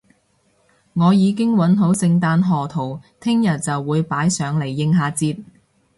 我已經搵好聖誕賀圖，聽日就會擺上嚟應下節